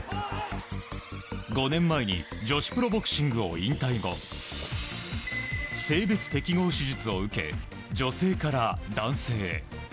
５年前に女子プロボクシングを引退後性別適合手術を受け女性から男性へ。